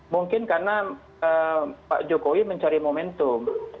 mungkin karena pak jokowi mencari momentum